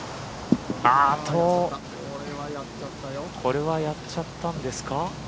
これはやっちゃったんですか？